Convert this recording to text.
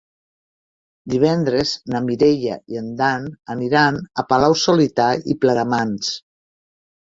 Divendres na Mireia i en Dan aniran a Palau-solità i Plegamans.